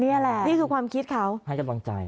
นี่แหละให้กันบังใจนี่คือความคิดเขา